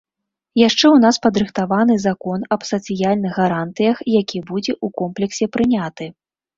Яшчэ ў нас падрыхтаваны закон аб сацыяльных гарантыях, які будзе ў комплексе прыняты.